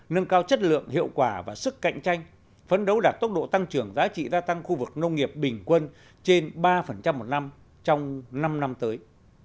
nâng cao chất lượng hiệu quả và sức cạnh tranh phấn đấu đạt tốc độ tăng trưởng giá trị gia tăng khu vực nông nghiệp bình quân trên ba một năm trong năm năm tới